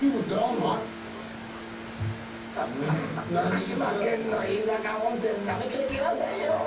福島県の飯坂温泉なめちゃいけませんよ。